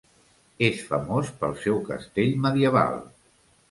És famós pel seu castell medieval.